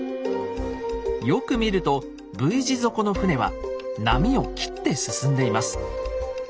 よく見るとＶ字底の船は波を切って進んでいます。